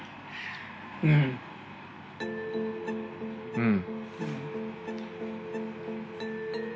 うん。